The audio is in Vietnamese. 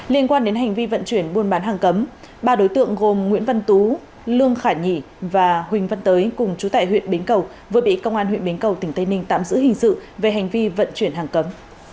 liên quan đến hành vi vận chuyển buôn bán hàng cấm ba đối tượng gồm nguyễn văn tú lương khả nhì và huỳnh văn tới cùng chú tại huyện bến cầu vừa bị công an huyện bến cầu tỉnh tây ninh tạm giữ hình sự về hành vi vận chuyển hàng cấm